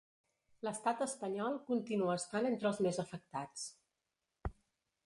Lestat espanyol continua estant entre els més afectats.